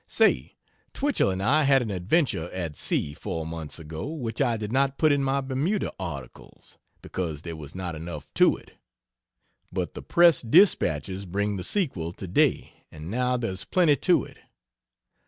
Say Twichell and I had an adventure at sea, 4 months ago, which I did not put in my Bermuda articles, because there was not enough to it. But the press dispatches bring the sequel today, and now there's plenty to it.